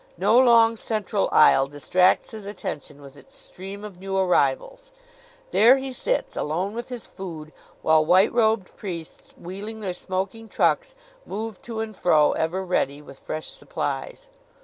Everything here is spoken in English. No long central aisle distracts his attention with its stream of new arrivals. There he sits, alone with his food, while white robed priests, wheeling their smoking trucks, move to and fro, ever ready with fresh supplies.